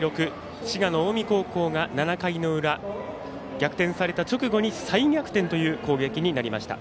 滋賀の近江高校が７回の裏逆転された直後に再逆転という攻撃になりました。